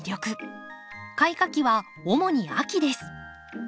開花期は主に秋です。